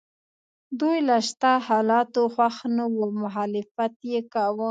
دوی له شته حالاتو خوښ نه وو او مخالفت یې کاوه.